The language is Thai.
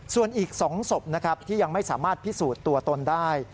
ส่วนอีก๒ศพนะครับที่ยังไม่สามารถพิสูจน์ตัวตนได้